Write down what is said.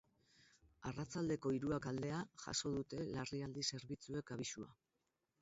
Arratsaldeko hiruak aldera jaso dute larrialdi zerbitzuek abisua.